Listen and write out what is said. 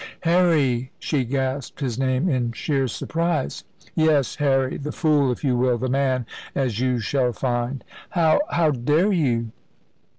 "Harry!" She gasped his name in sheer surprise. "Yes. Harry the fool, if you will; the man, as you shall find." "How how dare you?"